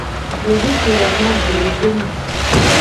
Devi keya na ji le ve mu.